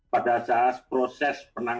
pada saat proses perundang